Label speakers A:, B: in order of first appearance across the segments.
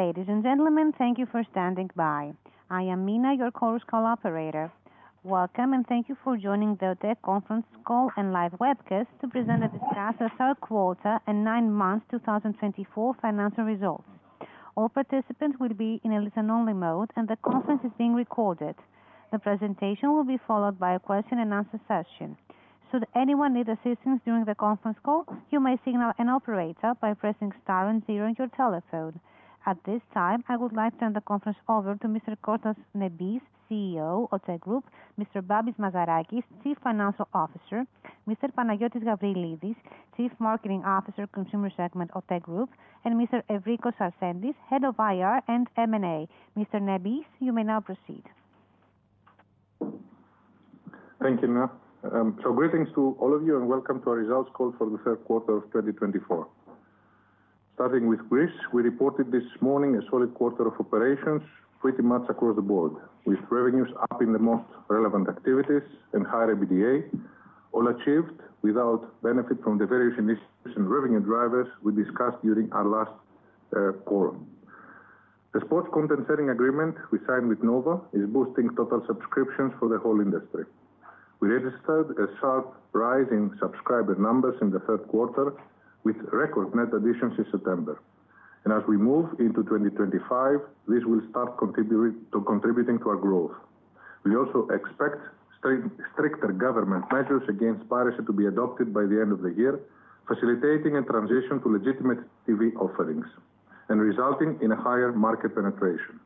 A: Ladies and gentlemen, thank you for standing by. I am Mina, your conference call operator. Welcome, and thank you for joining the OTE Conference call and live webcast to present a discussion of our quarter and nine months 2024 financial results. All participants will be in a listen-only mode, and the conference is being recorded. The presentation will be followed by a question-and-answer session. Should anyone need assistance during the conference call, you may signal an operator by pressing star and zero on your telephone. At this time, I would like to turn the conference over to Mr. Kostas Nebis, CEO of OTE Group, Mr. Babis Mazarakis, Chief Financial Officer, Mr. Panayiotis Gabrielides, Chief Marketing Officer, Consumer Segment of OTE Group, and Mr. Evrikos Sarsentis, Head of IR and M&A. Mr. Nebis, you may now proceed.
B: Thank you, Mina. So greetings to all of you, and welcome to our results call for the third quarter of 2024. Starting with Greece, we reported this morning a solid quarter of operations, pretty much across the board, with revenues up in the most relevant activities and higher EBITDA, all achieved without benefit from the various initiatives and revenue drivers we discussed during our last quarter. The sports content-selling agreement we signed with Nova is boosting total subscriptions for the whole industry. We registered a sharp rise in subscriber numbers in the third quarter, with record net additions in September. And as we move into 2025, this will start contributing to our growth. We also expect stricter government measures against piracy to be adopted by the end of the year, facilitating a transition to legitimate TV offerings and resulting in a higher market penetration.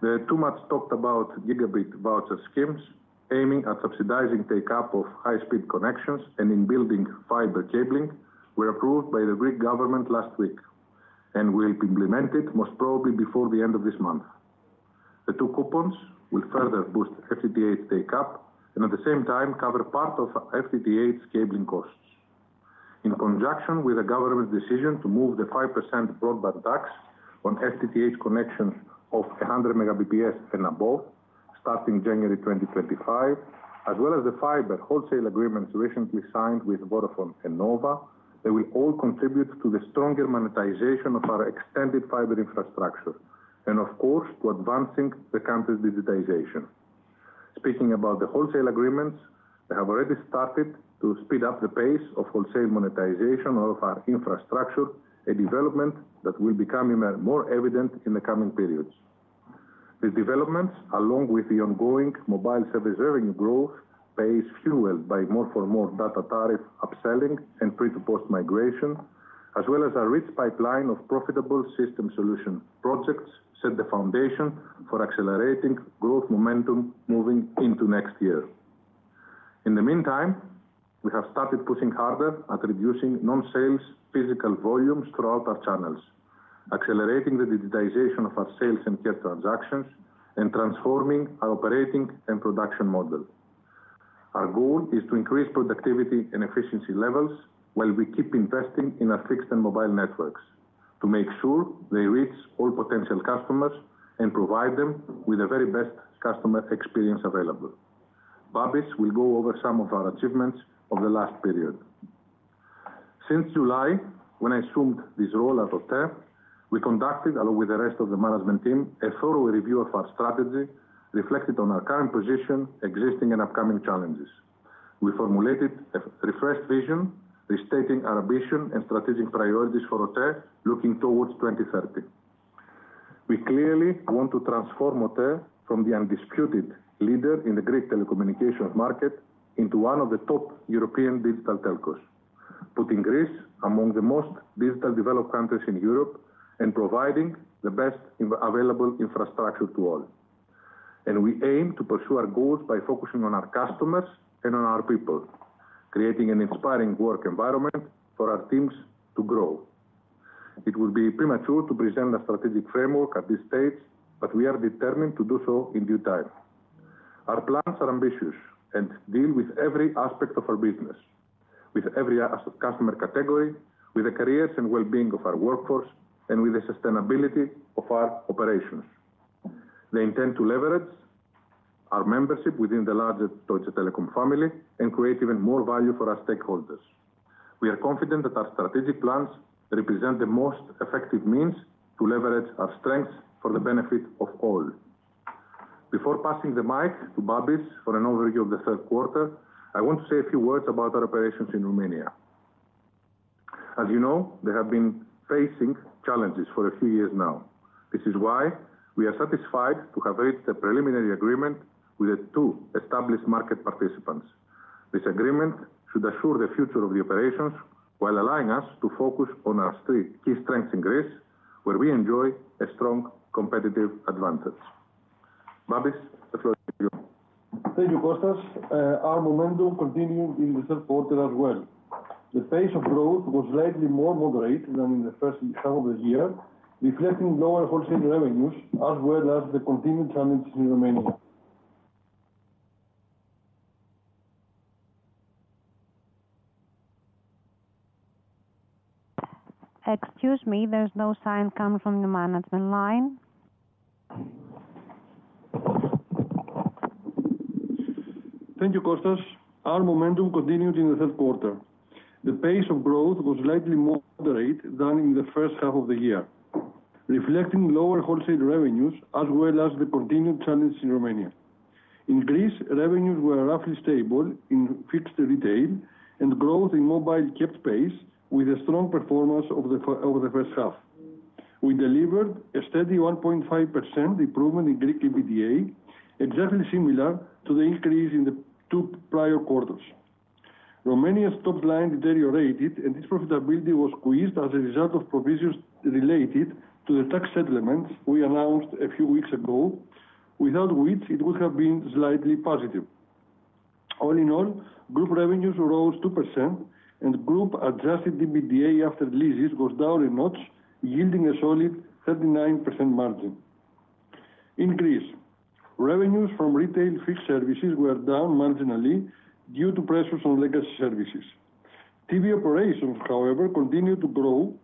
B: The much talked about Gigabit voucher schemes aiming at subsidizing take-up of high-speed connections and in building fiber cabling were approved by the Greek government last week and will be implemented most probably before the end of this month. The two coupons will further boost FTTH take-up and at the same time cover part of FTTH's cabling costs. In conjunction with the government's decision to move the 5% broadband tax on FTTH connections of 100 Mbps and above starting January 2025, as well as the fiber wholesale agreements recently signed with Vodafone and Nova, they will all contribute to the stronger monetization of our extended fiber infrastructure and, of course, to advancing the country's digitization. Speaking about the wholesale agreements, they have already started to speed up the pace of wholesale monetization of our infrastructure, a development that will become even more evident in the coming periods. These developments, along with the ongoing mobile service revenue growth, pave the way for more data tariff upselling and pre-to-post migration, as well as a rich pipeline of profitable system solution projects that set the foundation for accelerating growth momentum moving into next year. In the meantime, we have started pushing harder at reducing non-sales physical volumes throughout our channels, accelerating the digitization of our sales and care transactions, and transforming our operating and production model. Our goal is to increase productivity and efficiency levels while we keep investing in our fixed and mobile networks to make sure they reach all potential customers and provide them with the very best customer experience available. Babis will go over some of our achievements of the last period. Since July, when I assumed this role at OTE, we conducted, along with the rest of the management team, a thorough review of our strategy reflected on our current position, existing, and upcoming challenges. We formulated a refreshed vision, restating our ambition and strategic priorities for OTE looking towards 2030. We clearly want to transform OTE from the undisputed leader in the Greek telecommunications market into one of the top European digital telcos, putting Greece among the most digitally developed countries in Europe and providing the best available infrastructure to all. And we aim to pursue our goals by focusing on our customers and on our people, creating an inspiring work environment for our teams to grow. It would be premature to present a strategic framework at this stage, but we are determined to do so in due time. Our plans are ambitious and deal with every aspect of our business, with every customer category, with the careers and well-being of our workforce, and with the sustainability of our operations. They intend to leverage our membership within the larger Deutsche Telekom family and create even more value for our stakeholders. We are confident that our strategic plans represent the most effective means to leverage our strengths for the benefit of all. Before passing the mic to Babis for an overview of the third quarter, I want to say a few words about our operations in Romania. As you know, they have been facing challenges for a few years now. This is why we are satisfied to have reached a preliminary agreement with the two established market participants. This agreement should assure the future of the operations while allowing us to focus on our key strengths in Greece, where we enjoy a strong competitive advantage. Babis, the floor is yours.
C: Thank you, Kostas. Our momentum continued in the third quarter as well. The pace of growth was slightly more moderate than in the first half of the year, reflecting lower wholesale revenues as well as the continued challenges in Romania.
A: Excuse me, there's no signal coming from the management line.
C: Thank you, Kostas. Our momentum continued in the third quarter. The pace of growth was slightly more moderate than in the first half of the year, reflecting lower wholesale revenues as well as the continued challenges in Romania. In Greece, revenues were roughly stable in fixed retail and growth in mobile kept pace with a strong performance of the first half. We delivered a steady 1.5% improvement in Greek EBITDA, exactly similar to the increase in the two prior quarters. Romania's top line deteriorated, and its profitability was squeezed as a result of provisions related to the tax settlements we announced a few weeks ago, without which it would have been slightly positive. All in all, group revenues rose 2%, and group adjusted EBITDA after leases was down a notch, yielding a solid 39% margin. In Greece, revenues from retail fixed services were down marginally due to pressures on legacy services. TV operations, however, continued to grow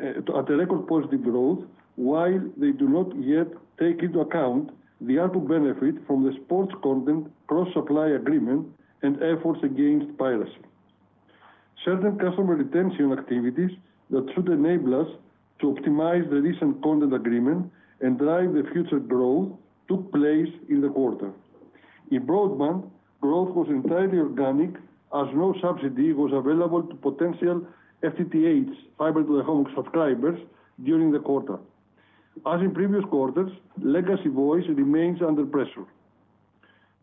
C: at a record positive growth, while they do not yet take into account the output benefit from the sports content cross-supply agreement and efforts against piracy. Certain customer retention activities that should enable us to optimize the recent content agreement and drive the future growth took place in the quarter. In broadband, growth was entirely organic, as no subsidy was available to potential FTTH fiber-to-the-home subscribers during the quarter. As in previous quarters, legacy voice remains under pressure.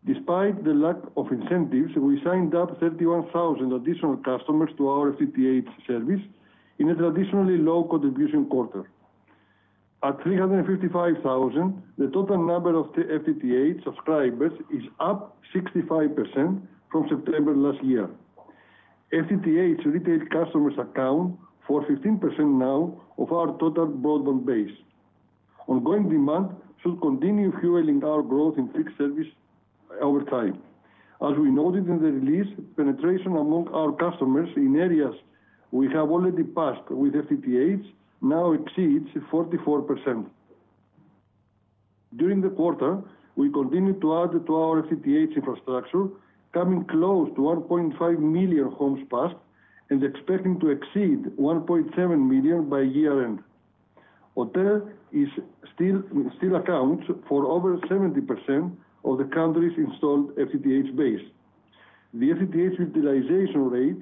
C: Despite the lack of incentives, we signed up 31,000 additional customers to our FTTH service in a traditionally low contribution quarter. At 355,000, the total number of FTTH subscribers is up 65% from September last year. FTTH retail customers account for 15% now of our total broadband base. Ongoing demand should continue fueling our growth in fixed service over time. As we noted in the release, penetration among our customers in areas we have already passed with FTTH now exceeds 44%. During the quarter, we continue to add to our FTTH infrastructure, coming close to 1.5 million homes passed and expecting to exceed 1.7 million by year-end. OTE still accounts for over 70% of the country's installed FTTH base. The FTTH utilization rate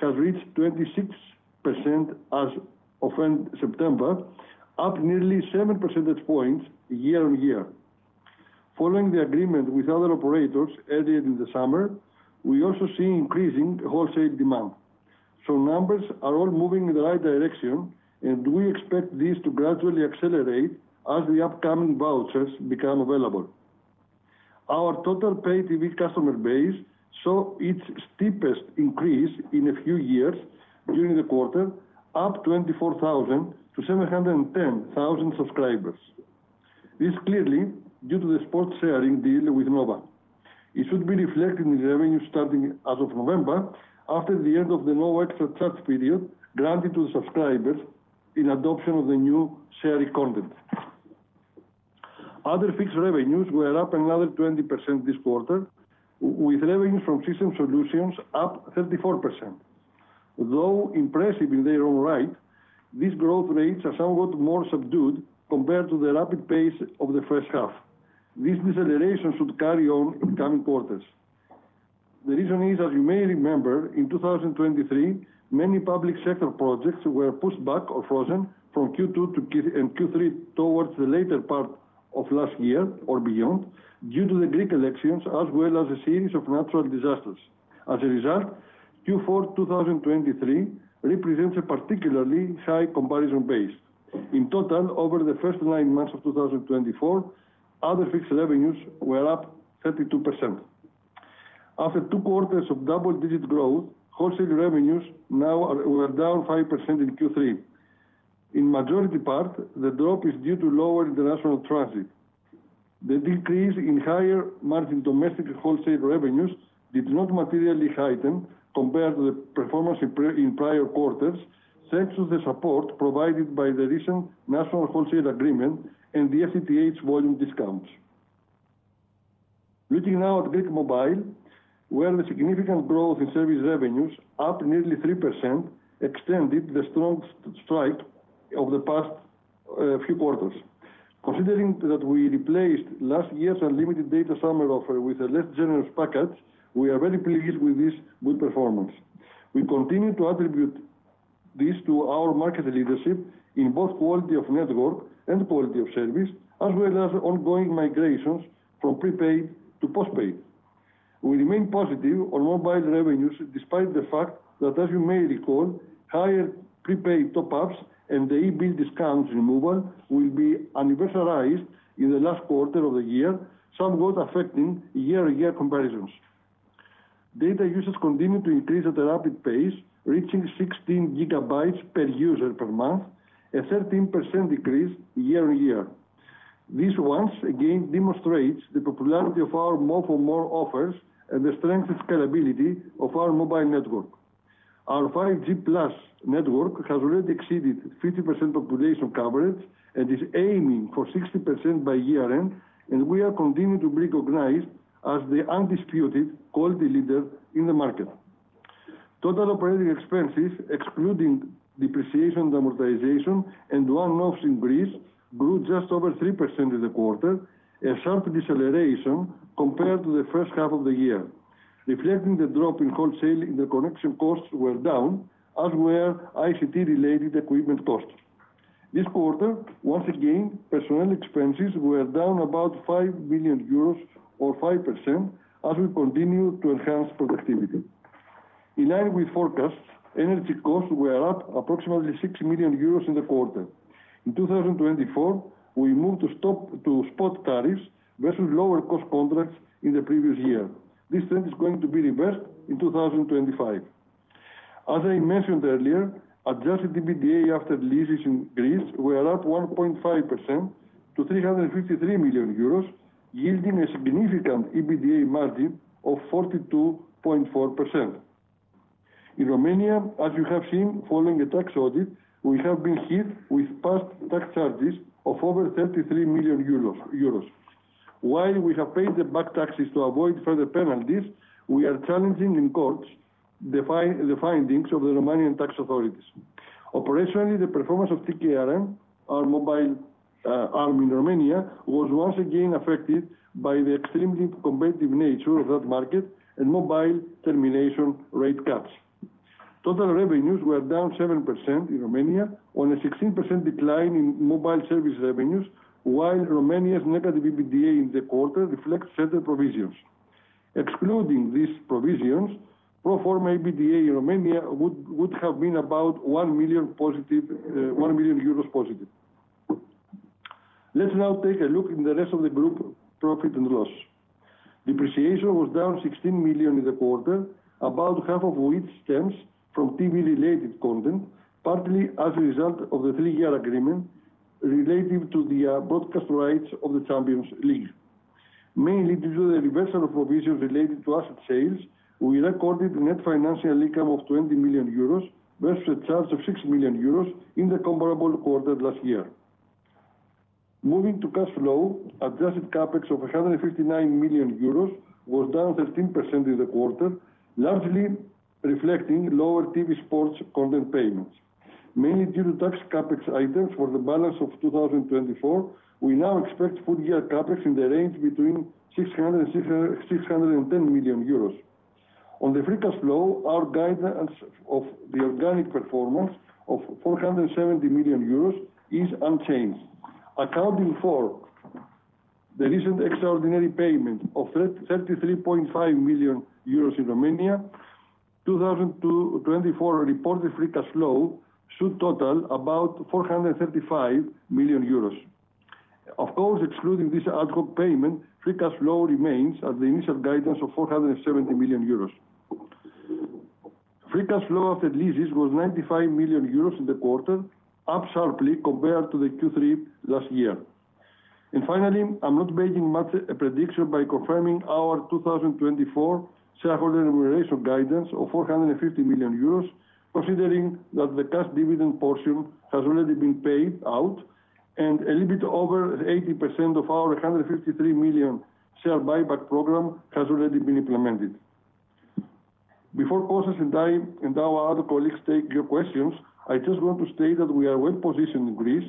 C: has reached 26% as of end September, up nearly 7 percentage points year-on-year. Following the agreement with other operators earlier in the summer, we also see increasing wholesale demand. So numbers are all moving in the right direction, and we expect this to gradually accelerate as the upcoming vouchers become available. Our total paid TV customer base saw its steepest increase in a few years during the quarter, up 24,000 to 710,000 subscribers. This is clearly due to the sports sharing deal with Nova. It should be reflected in the revenues starting as of November after the end of the no extra charge period granted to the subscribers in adoption of the new sharing content. Other fixed revenues were up another 20% this quarter, with revenues from system solutions up 34%. Though impressive in their own right, these growth rates are somewhat more subdued compared to the rapid pace of the first half. This deceleration should carry on in coming quarters. The reason is, as you may remember, in 2023, many public sector projects were pushed back or frozen from Q2 and Q3 towards the later part of last year or beyond due to the Greek elections as well as a series of natural disasters. As a result, Q4 2023 represents a particularly high comparison base. In total, over the first nine months of 2024, other fixed revenues were up 32%. After two quarters of double-digit growth, wholesale revenues now were down 5% in Q3. In the majority part, the drop is due to lower international transit. The decrease in higher margin domestic wholesale revenues did not materially hinder compared to the performance in prior quarters, thanks to the support provided by the recent national wholesale agreement and the FTTH volume discounts. Looking now at Greek mobile, where the significant growth in service revenues up nearly 3% extended the strong streak of the past few quarters. Considering that we replaced last year's unlimited data summer offer with a less generous package, we are very pleased with this good performance. We continue to attribute this to our market leadership in both quality of network and quality of service, as well as ongoing migrations from prepaid to postpaid. We remain positive on mobile revenues despite the fact that, as you may recall, higher prepaid top-ups and the e-bill discounts removal will be annualized in the last quarter of the year, somewhat affecting year-to-year comparisons. Data usage continued to increase at a rapid pace, reaching 16 gigabytes per user per month, a 13% decrease year-on-year. This once again demonstrates the popularity of our more for more offers and the strength and scalability of our mobile network. Our 5G+ network has already exceeded 50% population coverage and is aiming for 60% by year-end, and we are continuing to be recognized as the undisputed quality leader in the market. Total operating expenses, excluding depreciation and amortization and one-off in Greece, grew just over 3% in the quarter, a sharp deceleration compared to the first half of the year, reflecting the drop in wholesale interconnection costs, were down, as were ICT-related equipment costs. This quarter, once again, personnel expenses were down about 5 million euros or 5%, as we continue to enhance productivity. In line with forecasts, energy costs were up approximately 6 million euros in the quarter. In 2024, we moved to spot tariffs versus lower-cost contracts in the previous year. This trend is going to be reversed in 2025. As I mentioned earlier, adjusted EBITDA after leases in Greece were up 1.5% to 353 million euros, yielding a significant EBITDA margin of 42.4%. In Romania, as you have seen following a tax audit, we have been hit with past tax charges of over 33 million euros. While we have paid the back taxes to avoid further penalties, we are challenging in courts the findings of the Romanian tax authorities. Operationally, the performance of TKRM, our mobile arm in Romania, was once again affected by the extremely competitive nature of that market and mobile termination rate cuts. Total revenues were down 7% in Romania, on a 16% decline in mobile service revenues, while Romania's negative EBITDA in the quarter reflects central provisions. Excluding these provisions, pro forma EBITDA in Romania would have been about 1 million euros positive. Let's now take a look in the rest of the Group, profit and loss. Depreciation was down 16 million in the quarter, about half of which stems from TV-related content, partly as a result of the three-year agreement related to the broadcast rights of the Champions League. Mainly due to the reversal of provisions related to asset sales, we recorded a net financial income of 20 million euros versus a charge of 6 million euros in the comparable quarter last year. Moving to cash flow, adjusted CAPEX of 159 million euros was down 13% in the quarter, largely reflecting lower TV sports content payments. Mainly due to tax CAPEX items for the balance of 2024, we now expect full-year CAPEX in the range between 600 million euros and 610 million euros. On the free cash flow, our guidance of the organic performance of 470 million euros is unchanged. Accounting for the recent extraordinary payment of 33.5 million euros in Romania, 2024 reported free cash flow should total about 435 million euros. Of course, excluding this ad hoc payment, free cash flow remains at the initial guidance of 470 million euros. Free cash flow after leases was 95 million euros in the quarter, up sharply compared to the Q3 last year. And finally, I'm not making much a prediction by confirming our 2024 shareholder remuneration guidance of 450 million euros, considering that the cash dividend portion has already been paid out and a little bit over 80% of our 153 million share buyback program has already been implemented. Before Kostas and I and our other colleagues take your questions, I just want to state that we are well positioned in Greece,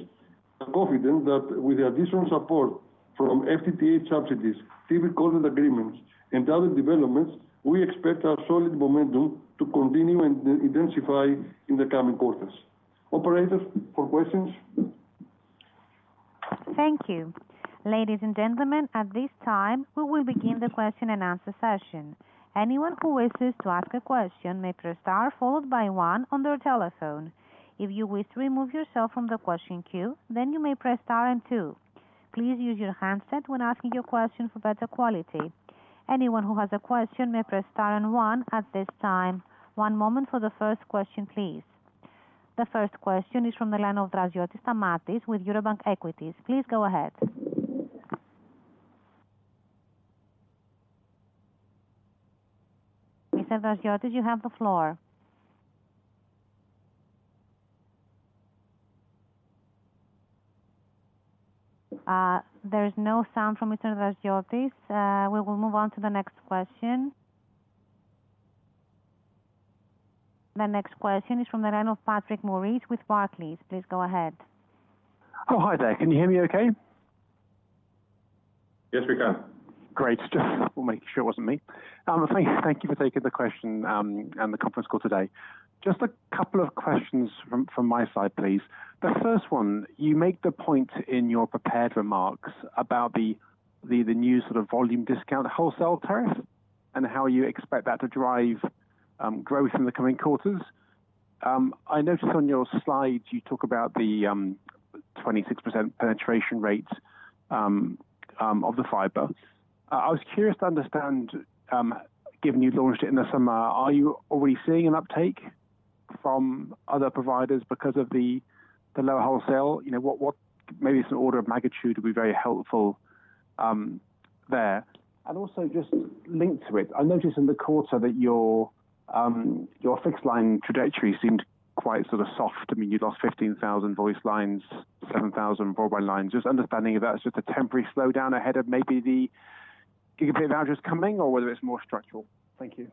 C: confident that with the additional support from FTTH subsidies, TV content agreements, and other developments, we expect our solid momentum to continue and intensify in the coming quarters. Operators, for questions?
A: Thank you. Ladies and gentlemen, at this time, we will begin the question and answer session. Anyone who wishes to ask a question may press star followed by one on their telephone. If you wish to remove yourself from the question queue, then you may press star and two. Please use your handset when asking your question for better quality. Anyone who has a question may press star and one at this time. One moment for the first question, please. The first question is from the line of Draziotis, Stamatios with Eurobank Equities. Please go ahead. Mr. Draziotis, you have the floor. There is no sound from Mr. Draziotis. We will move on to the next question. The next question is from the line of Patrick Maurice with Barclays. Please go ahead.
D: Oh, hi there. Can you hear me okay?
B: Yes, we can.
D: Great. Just wanted to make sure it wasn't me. Thank you for taking the question and the conference call today. Just a couple of questions from my side, please. The first one, you make the point in your prepared remarks about the new sort of volume discount wholesale tariff and how you expect that to drive growth in the coming quarters. I noticed on your slide you talk about the 26% penetration rate of the fiber. I was curious to understand, given you launched it in the summer, are you already seeing an uptake from other providers because of the lower wholesale? Maybe some order of magnitude would be very helpful there. And also just linked to it, I noticed in the quarter that your fixed line trajectory seemed quite sort of soft. I mean, you lost 15,000 voice lines, 7,000 broadband lines. Just understanding if that's just a temporary slowdown ahead of maybe the Gigabit vouchers coming or whether it's more structural? Thank you.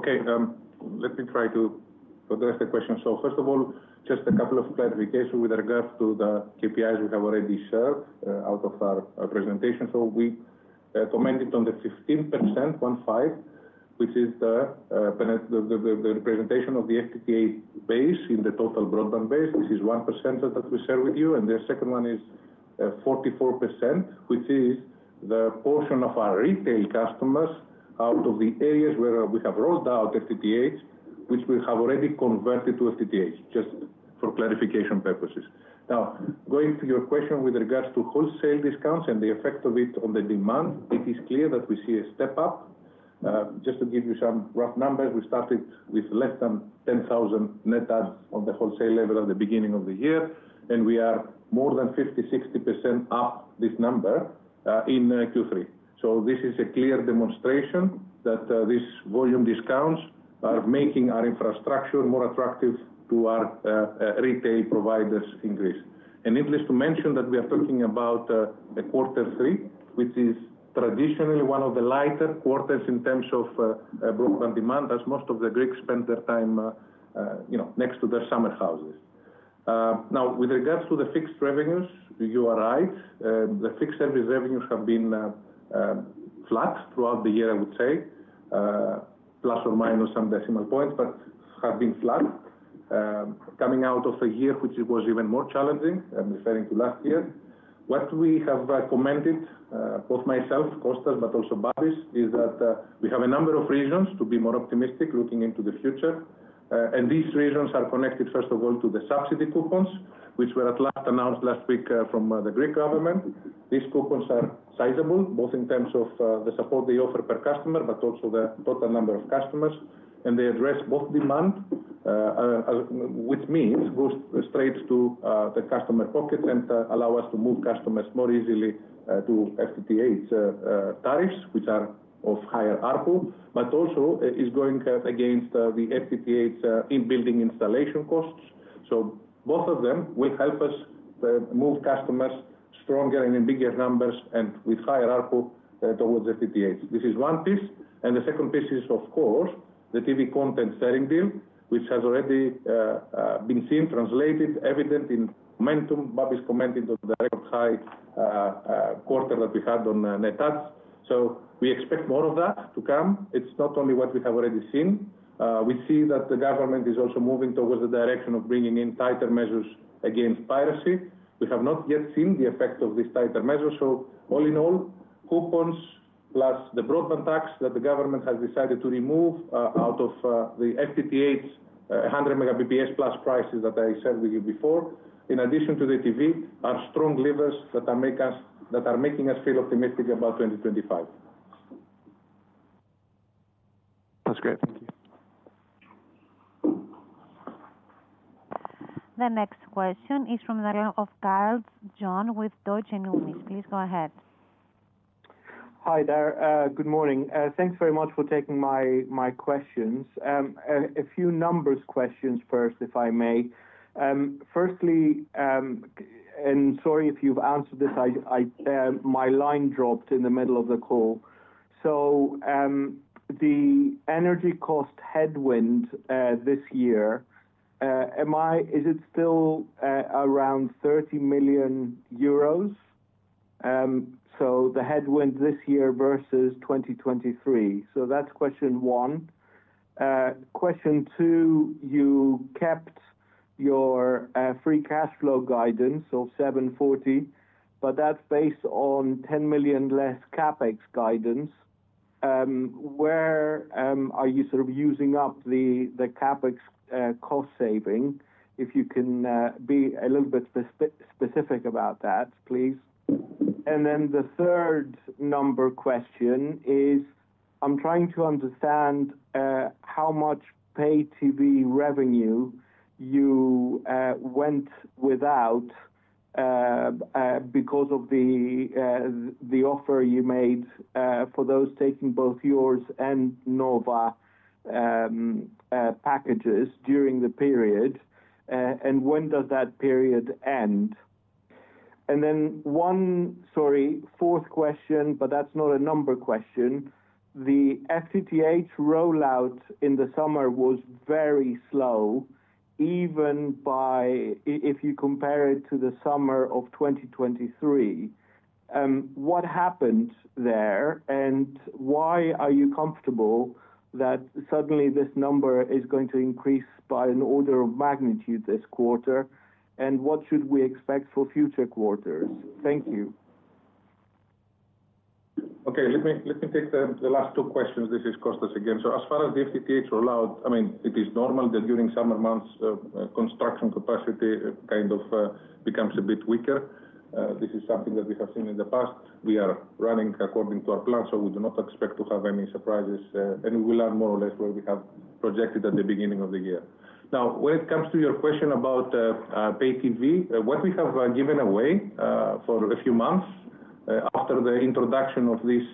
B: Okay. Let me try to address the question. So first of all, just a couple of clarifications with regards to the KPIs we have already shared out of our presentation. So we commented on the 15%, 1.5, which is the representation of the FTTH base in the total broadband base. This is 1% that we share with you. And the second one is 44%, which is the portion of our retail customers out of the areas where we have rolled out FTTH, which we have already converted to FTTH, just for clarification purposes. Now, going to your question with regards to wholesale discounts and the effect of it on the demand, it is clear that we see a step up. Just to give you some rough numbers, we started with less than 10,000 net adds on the wholesale level at the beginning of the year, and we are more than 50%-60% up this number in Q3. So this is a clear demonstration that these volume discounts are making our infrastructure more attractive to our retail providers in Greece. And needless to mention that we are talking about a quarter three, which is traditionally one of the lighter quarters in terms of broadband demand, as most of the Greeks spend their time next to their summer houses. Now, with regards to the fixed revenues, you are right. The fixed service revenues have been flat throughout the year, I would say, plus or minus some decimal points, but have been flat. Coming out of a year which was even more challenging. I'm referring to last year. What we have commented, both myself, Kostas, but also Babis, is that we have a number of reasons to be more optimistic looking into the future. And these reasons are connected, first of all, to the subsidy coupons, which were at last announced last week from the Greek government. These coupons are sizable, both in terms of the support they offer per customer, but also the total number of customers. And they address both demand, which means go straight to the customer pockets and allow us to move customers more easily to FTTH tariffs, which are of higher ARPU, but also is going against the FTTH in building installation costs. So both of them will help us move customers stronger and in bigger numbers and with higher ARPU towards FTTH. This is one piece. And the second piece is, of course, the TV content sharing deal, which has already been seen, translated evident in momentum. Babis commented on the record high quarter that we had on net adds. So we expect more of that to come. It's not only what we have already seen. We see that the government is also moving towards the direction of bringing in tighter measures against piracy. We have not yet seen the effect of these tighter measures. So all in all, coupons plus the broadband tax that the government has decided to remove out of the FTTH 100 Mbps plus prices that I shared with you before, in addition to the TV, are strong levers that are making us feel optimistic about 2025.
D: That's great. Thank you.
A: The next question is from the line of Karidis, John, with Deutsche Numis. Please go ahead.
E: Hi there. Good morning. Thanks very much for taking my questions. A few numbers questions first, if I may. Firstly, and sorry if you've answered this, my line dropped in the middle of the call. So the energy cost headwind this year, is it still around 30 million euros? So the headwind this year versus 2023. So that's question one. Question two, you kept your free cash flow guidance of 740, but that's based on 10 million less CAPEX guidance. Where are you sort of using up the CAPEX cost saving? If you can be a little bit specific about that, please. And then the third number question is, I'm trying to understand how much pay TV revenue you went without because of the offer you made for those taking both yours and Nova packages during the period. And when does that period end? And then one, sorry, fourth question, but that's not a number question. The FTTH rollout in the summer was very slow, even if you compare it to the summer of 2023. What happened there? And why are you comfortable that suddenly this number is going to increase by an order of magnitude this quarter? And what should we expect for future quarters? Thank you.
B: Okay. Let me take the last two questions. This is Kostas again. So as far as the FTTH rollout, I mean, it is normal that during summer months, construction capacity kind of becomes a bit weaker. This is something that we have seen in the past. We are running according to our plan, so we do not expect to have any surprises, and we will add more or less where we have projected at the beginning of the year. Now, when it comes to your question about pay TV, what we have given away for a few months after the introduction of this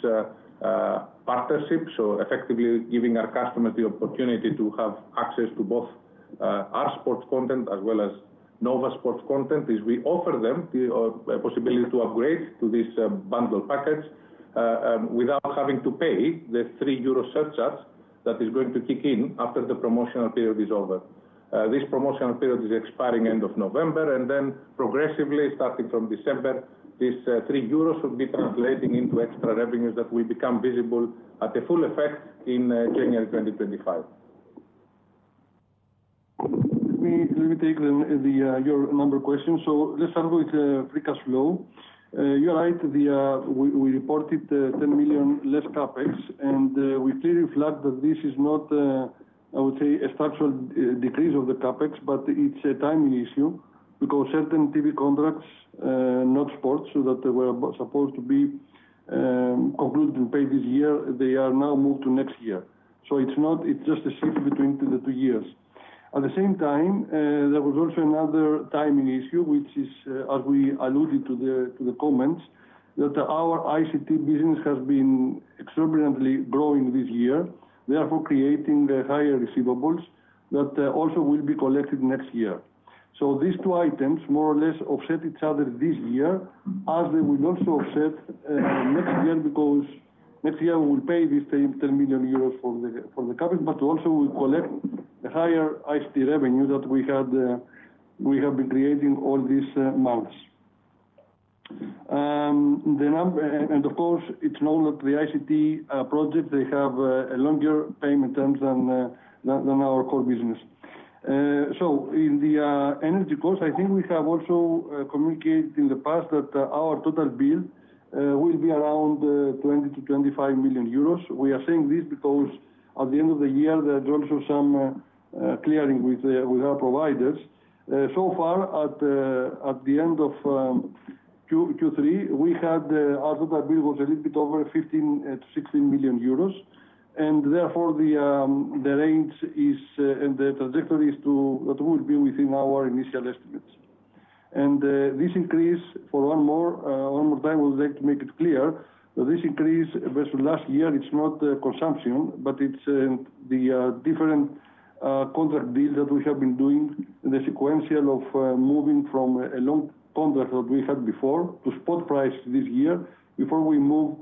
B: partnership, so effectively giving our customers the opportunity to have access to both our sports content as well as Nova sports content, is we offer them the possibility to upgrade to these bundle packets without having to pay the 3 euro surcharge that is going to kick in after the promotional period is over. This promotional period is expiring end of November. And then progressively, starting from December, these 3 euros will be translating into extra revenues that will become visible at a full effect in January 2025.
C: Let me take your number question. So let's start with free cash flow. You're right. We reported 10 million less CAPEX, and we clearly flagged that this is not, I would say, a structural decrease of the CAPEX, but it's a timing issue because certain TV contracts, not sports, that were supposed to be concluded and paid this year, they are now moved to next year. So it's just a shift between the two years. At the same time, there was also another timing issue, which is, as we alluded to the comments, that our ICT business has been extraordinarily growing this year, therefore creating higher receivables that also will be collected next year. So these two items more or less offset each other this year, as they will also offset next year because next year we will pay these 10 million euros for the CapEx, but also we collect the higher ICT revenue that we have been creating all these months. And of course, it's known that the ICT projects, they have a longer payment term than our core business. So in the energy costs, I think we have also communicated in the past that our total bill will be around 20 million to 25 million euros. We are saying this because at the end of the year, there is also some clearing with our providers. So far, at the end of Q3, we had our total bill was a little bit over 15 million to 16 million euros. And therefore, the range and the trajectory is that we will be within our initial estimates. And this increase, for one more time, I would like to make it clear that this increase versus last year, it's not consumption, but it's the different contract deal that we have been doing, the sequential of moving from a long contract that we had before to spot price this year before we move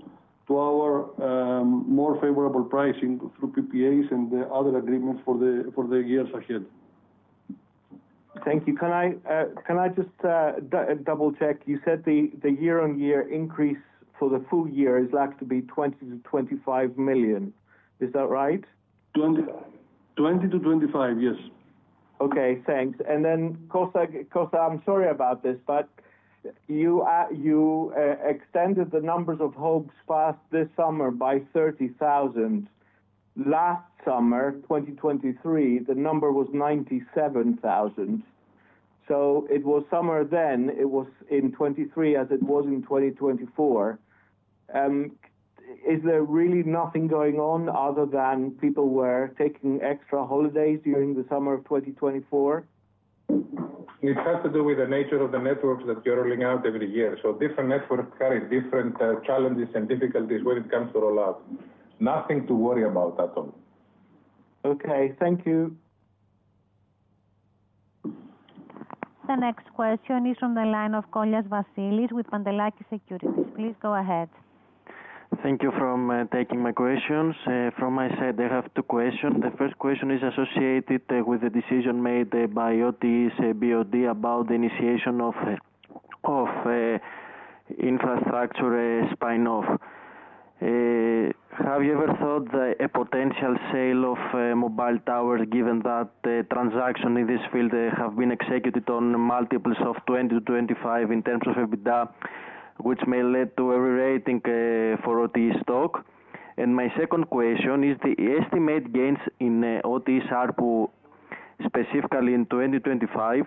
C: to our more favorable pricing through PPAs and other agreements for the years ahead.
E: Thank you. Can I just double-check? You said the year-on-year increase for the full year is likely to be 20-25 million. Is that right?
C: 20 to 25, yes.
E: Okay. Thanks. And then, Kostas, I'm sorry about this, but you extended the numbers of homes passed this summer by 30,000. Last summer, 2023, the number was 97,000. So it was summer then. It was in '23 as it was in 2024. Is there really nothing going on other than people were taking extra holidays during the summer of 2024?
B: It has to do with the nature of the networks that you're rolling out every year. So different networks carry different challenges and difficulties when it comes to rollout. Nothing to worry about at all.
E: Okay. Thank you.
A: The next question is from the line of Vasilis Kollias with Pantelakis Securities. Please go ahead.
F: Thank you for taking my questions. From my side, I have two questions. The first question is associated with the decision made by OTE BOD about the initiation of infrastructure spinoff. Have you ever thought a potential sale of mobile towers, given that transactions in this field have been executed on multiples of 20 to 25 in terms of EBITDA, which may lead to a rating for OTE stock? And my second question is the estimated gains in OTE ARPU, specifically in 2025,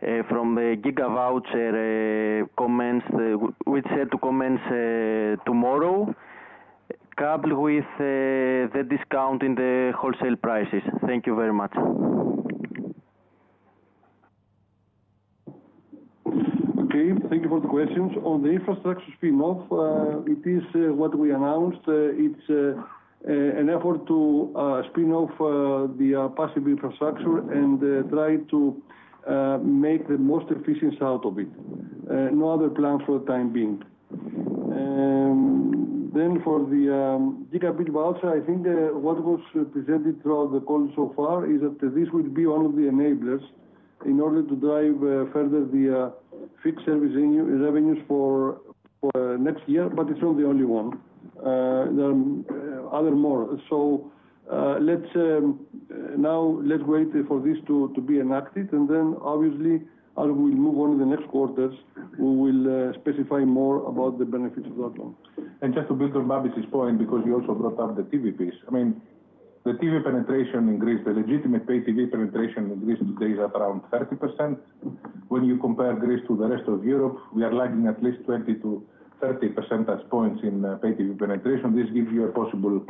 F: from the deal with Nova, from the Gigabit Voucher comments we said to commence tomorrow, coupled with the discount in the wholesale prices. Thank you very much.
G: Okay. Thank you for the questions. On the infrastructure spinoff, it is what we announced. It's an effort to spinoff the passive infrastructure and try to make the most efficiency out of it. No other plan for the time being. Then for the Gigabit Voucher, I think what was presented throughout the call so far is that this will be one of the enablers in order to drive further the fixed service revenues for next year, but it's not the only one. There are other more. So now let's wait for this to be enacted, and then obviously, as we move on in the next quarters, we will specify more about the benefits of that one.
B: And just to build on Babis's point, because you also brought up the TV piece, I mean, the TV penetration in Greece, the legitimate pay TV penetration in Greece today is at around 30%. When you compare Greece to the rest of Europe, we are lagging at least 20-30 percentage points in pay TV penetration. This gives you a possible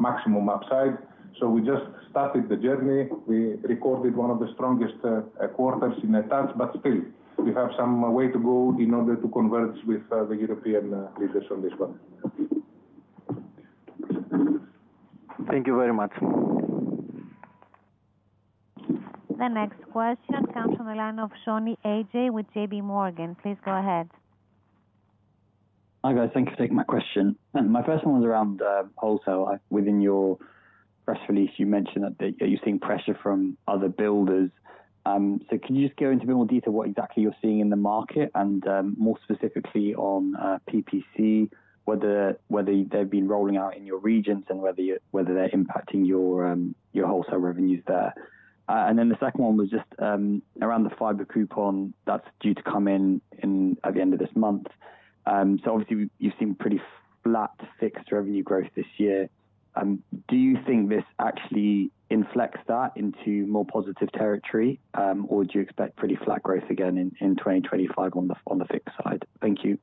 B: maximum upside. So we just started the journey. We recorded one of the strongest quarters in a while, but still, we have some way to go in order to converge with the European leaders on this one.
F: Thank you very much.
A: The next question comes from the line of Sonny A.J. with J.P. Morgan. Please go ahead.
H: Hi, guys. Thank you for taking my question. My first one was around wholesale. Within your press release, you mentioned that you're seeing pressure from other builders. So could you just go into a bit more detail what exactly you're seeing in the market and more specifically on PPC, whether they've been rolling out in your regions and whether they're impacting your wholesale revenues there? And then the second one was just around the Gigabit Voucher that's due to come in at the end of this month. So obviously, you've seen pretty flat fixed revenue growth this year. Do you think this actually inflects that into more positive territory, or do you expect pretty flat growth again in 2025 on the fixed side? Thank you.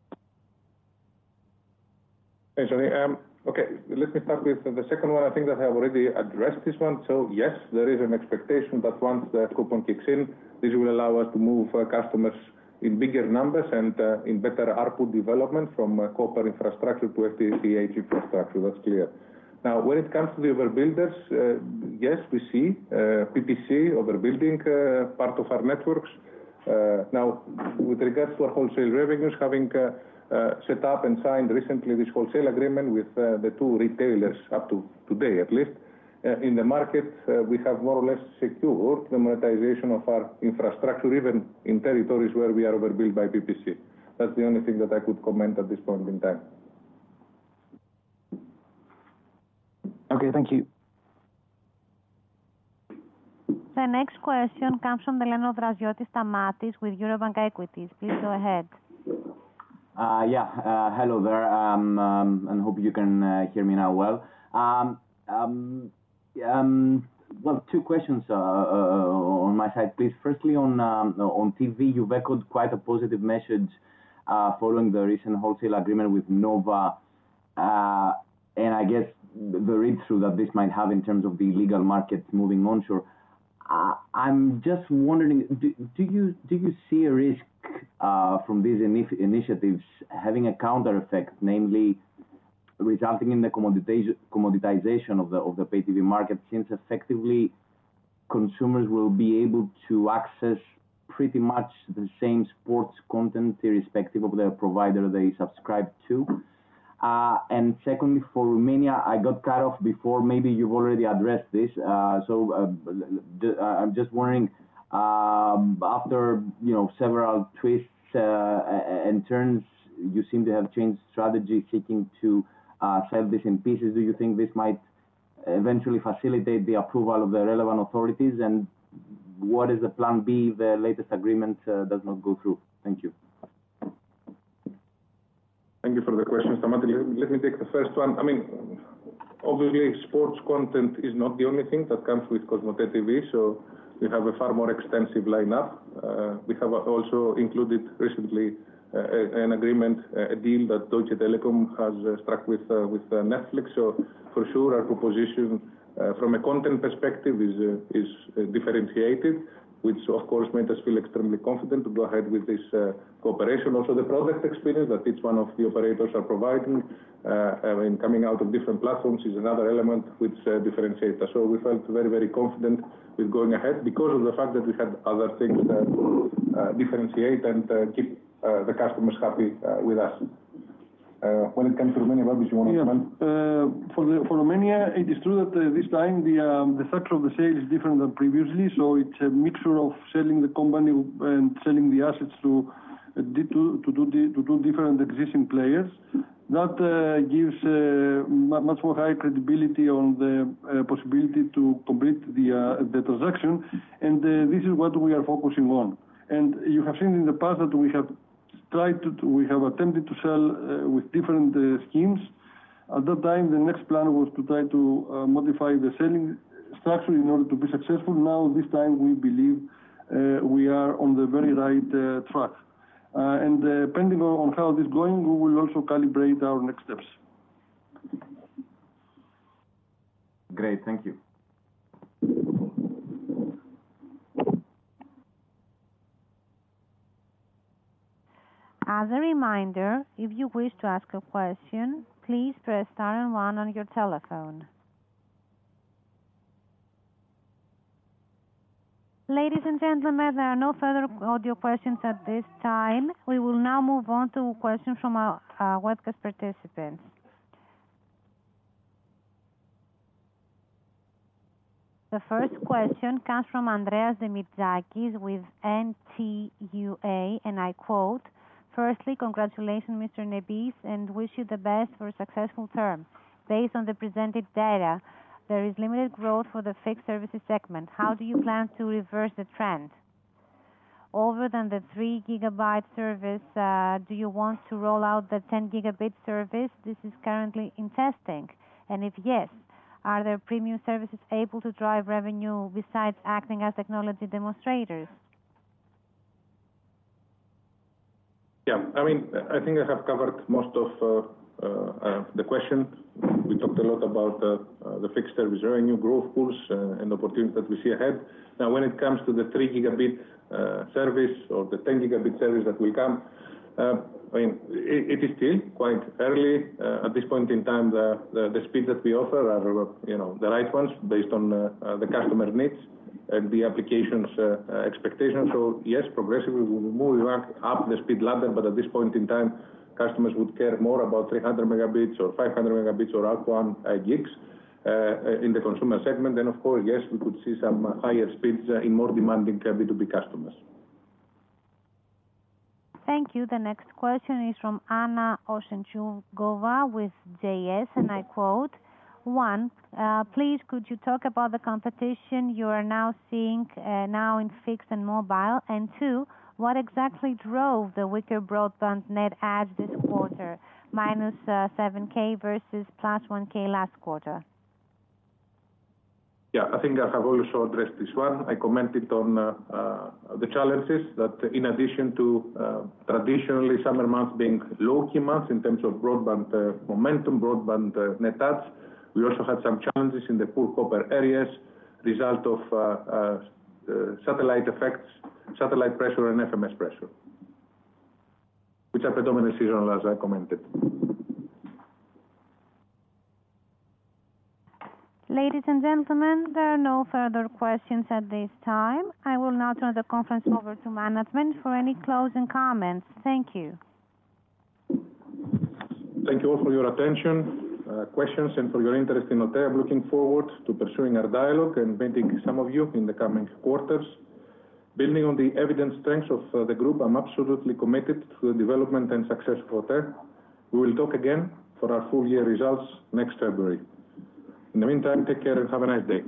B: Okay. Let me start with the second one. I think that I have already addressed this one. So yes, there is an expectation that once the coupon kicks in, this will allow us to move customers in bigger numbers and in better ARPU development from copper infrastructure to FTTH infrastructure. That's clear. Now, when it comes to the other builders, yes, we see PPC overbuilding part of our networks. Now, with regards to our wholesale revenues, having set up and signed recently this wholesale agreement with the two retailers up to today, at least, in the market, we have more or less secured the monetization of our infrastructure, even in territories where we are overbuilt by PPC. That's the only thing that I could comment at this point in time.
H: Okay. Thank you.
A: The next question comes from the line of Draziotis, Stamatios with Eurobank Equities. Please go ahead.
C: Yeah. Hello there. I hope you can hear me now, well. Two questions on my side, please. Firstly, on TV, you've echoed quite a positive message following the recent wholesale agreement with Nova. I guess the read-through that this might have in terms of the retail markets moving onshore. I'm just wondering, do you see a risk from these initiatives having a counter effect, namely resulting in the commoditization of the pay TV market since effectively consumers will be able to access pretty much the same sports content irrespective of the provider they subscribe to? Secondly, for Romania, I got cut off before. Maybe you've already addressed this. I'm just wondering, after several twists and turns, you seem to have changed strategy, seeking to sell this in pieces. Do you think this might eventually facilitate the approval of the relevant authorities? What is the plan B if the latest agreement does not go through? Thank you.
B: Thank you for the question, Samantha. Let me take the first one. I mean, obviously, sports content is not the only thing that comes with Cosmote TV. So we have a far more extensive lineup. We have also included recently an agreement, a deal that Deutsche Telekom has struck with Netflix. So for sure, our proposition from a content perspective is differentiated, which, of course, made us feel extremely confident to go ahead with this cooperation. Also, the product experience that each one of the operators are providing and coming out of different platforms is another element which differentiates. So we felt very, very confident with going ahead because of the fact that we had other things that differentiate and keep the customers happy with us.
C: When it comes to Romania, what did you want to comment?
B: For Romania, it is true that this time the structure of the sale is different than previously, so it's a mixture of selling the company and selling the assets to different existing players. That gives much more higher credibility on the possibility to complete the transaction, and this is what we are focusing on, and you have seen in the past that we have attempted to sell with different schemes. At that time, the next plan was to try to modify the selling structure in order to be successful. Now, this time, we believe we are on the very right track, and depending on how this is going, we will also calibrate our next steps.
C: Great. Thank you.
A: As a reminder, if you wish to ask a question, please press star and one on your telephone. Ladies and gentlemen, there are no further audio questions at this time. We will now move on to questions from our webcast participants. The first question comes from Andreas Demitzakis with NTUA, and I quote, "Firstly, congratulations, Mr. Nebis, and wish you the best for a successful term. Based on the presented data, there is limited growth for the fixed services segment. How do you plan to reverse the trend? Other than the 3-gigabit service, do you want to roll out the 10-gigabit service, which is currently in testing? And if yes, are there premium services able to drive revenue besides acting as technology demonstrators?
B: Yeah. I mean, I think I have covered most of the questions. We talked a lot about the fixed service revenue growth pools and opportunities that we see ahead. Now, when it comes to the 3-gigabit service or the 10-gigabit service that will come, I mean, it is still quite early at this point in time. The speed that we offer are the right ones based on the customer needs and the application's expectations. So yes, progressively we will move up the speed ladder, but at this point in time, customers would care more about 300 megabits or 500 megabits or up to one gig in the consumer segment. And of course, yes, we could see some higher speeds in more demanding B2B customers.
A: Thank you. The next question is from Anna Osenchukova with J.P. Morgan, and I quote, "One, please, could you talk about the competition you are now seeing in fixed and mobile? And two, what exactly drove the wireline broadband net adds this quarter, minus 7K versus plus 1K last quarter?
B: Yeah. I think I have also addressed this one. I commented on the challenges that in addition to traditionally summer months being low-key months in terms of broadband momentum, broadband net adds, we also had some challenges in the poor copper areas result of satellite effects, satellite pressure, and FMS pressure, which are predominantly seasonal, as I commented.
A: Ladies and gentlemen, there are no further questions at this time. I will now turn the conference over to management for any closing comments. Thank you.
B: Thank you all for your attention, questions, and for your interest in OTE. I'm looking forward to pursuing our dialogue and meeting some of you in the coming quarters. Building on the evident strengths of the group, I'm absolutely committed to the development and success of OTE. We will talk again for our full-year results next February. In the meantime, take care and have a nice day.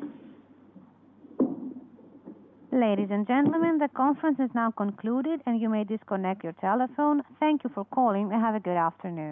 A: Ladies and gentlemen, the conference is now concluded, and you may disconnect your telephone. Thank you for calling, and have a good afternoon.